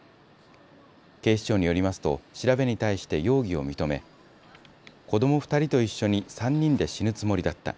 警視庁によりますと調べに対して容疑を認め子ども２人と一緒に３人で死ぬつもりだった。